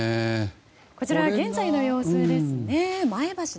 こちら現在の様子ですね。